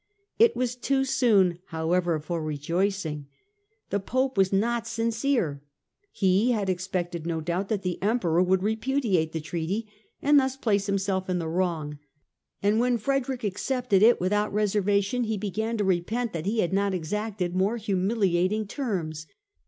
It was too soon, however, for rejoicing. The Pope was not sincere : he had expected, no doubt, that the Emperor would repudiate the treaty and thus place himself in the wrong ; and when Frederick accepted it without reser vation he began to repent that he had not exacted more humiliating terms.